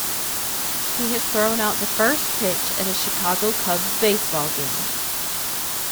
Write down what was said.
He has thrown out the first pitch at a Chicago Cubs baseball game.